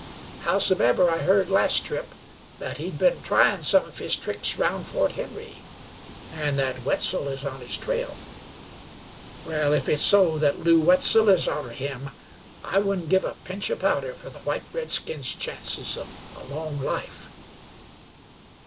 Howsumever, I heard last trip thet he'd been tryin' some of his tricks round Fort Henry, an' thet Wetzel is on his trail. Wal, if it's so thet Lew Wetzel is arter him, I wouldn't give a pinch o' powder fer the white redskin's chances of a long life."